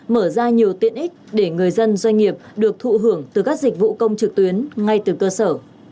mở ra nhiều tiện ích để người dân doanh nghiệp được thụ hưởng từ các dịch vụ công trực tuyến ngay từ cơ sở